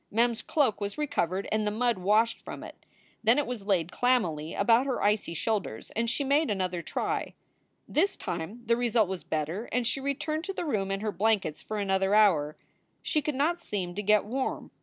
Mem s cloak was recovered, and the mud washed from it. Then it was laid clammily about her icy shoulders and she made another try. This time the result was better, and she returned to the room and her blankets for another hour. She could not seem to get warm.